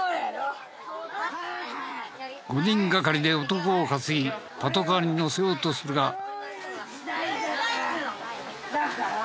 ５人がかりで男を担ぎパトカーに乗せようとするが。